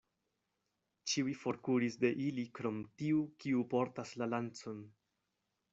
Ĉiuj forkuris de ili krom tiu, kiu portas la lancon.